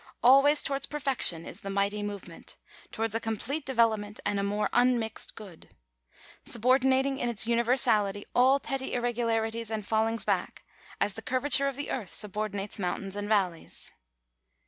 Always towards perfection is the mighty movement — towards a complete deve lopment and a more unmixed good ; subordinating in its uni versality all petty irregularities and fallings back, as the curva ture of the earth subordinates mountains and valleys.